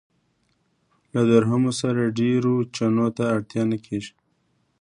له درهمو سره ډېرو چنو ته اړتیا نه کېږي.